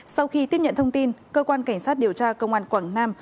sau khi tiếp nhận thông tin cơ quan cảnh sát điều tra công an quảng nam